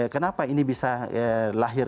kenapa ini bisa lahir